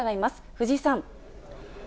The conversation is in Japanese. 藤井さん。